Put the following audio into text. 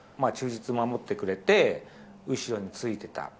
忠実に守ってくれて、後ろについてた。